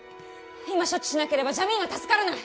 今処置しなければジャミーンは助からない！